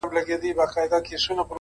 د غمازانو مخ به تور وو اوس به وي او کنه-